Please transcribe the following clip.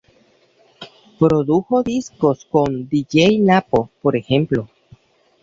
Produjo discos junto con Dj Napo por ejemplo.